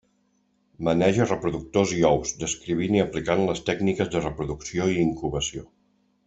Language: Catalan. Maneja reproductors i ous, descrivint i aplicant les tècniques de reproducció i incubació.